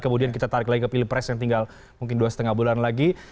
kemudian kita tarik lagi ke pilpres yang tinggal mungkin dua lima bulan lagi